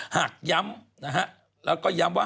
หากย้ำนะฮะแล้วก็ย้ำว่า